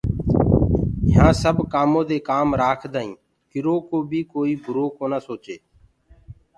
يهآنٚ سب ڪآمودي ڪآم رآکدآئينٚ ڪرو ڪو بيٚ ڪوئيٚ برو ڪونآ سوچي